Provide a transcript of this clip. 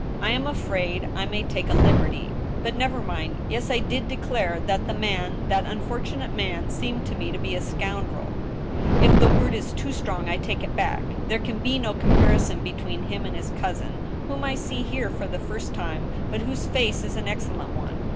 I am afraid I may take a liberty, ... but never mind. ... Yes, I did declare that the man, that un fortunate man, seemed to me to be a scoundrel ;... if the word is too strong, I take it back. There can be no comparison between him and his cousin, whom I see here for the first time, but whose face is an excellent one.